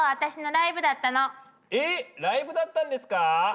ライブだったんですか？